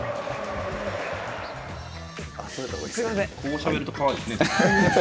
こうしゃべるとかわいいですね。